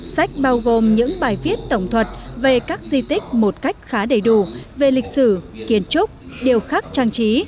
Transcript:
sách bao gồm những bài viết tổng thuật về các di tích một cách khá đầy đủ về lịch sử kiến trúc điều khác trang trí